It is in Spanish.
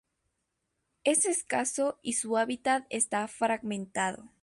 Es escaso y su hábitat está fragmentado.